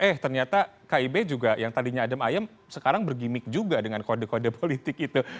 eh ternyata kib juga yang tadinya adem ayem sekarang bergimmick juga dengan kode kode politik itu